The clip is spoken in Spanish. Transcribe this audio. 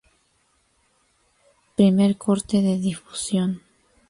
Primer corte de difusión.